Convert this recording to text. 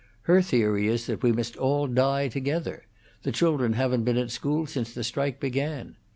Her theory is that we must all die together; the children haven't been at school since the strike began.